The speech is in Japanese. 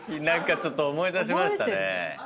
ちょっと思い出しましたね。